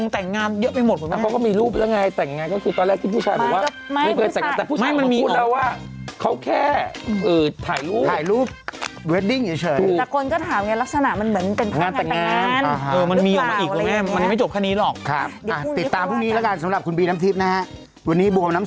ถ้าเป็นเมืองนอกไม่ต้องลำบากกันอย่าไปเลยเนอะ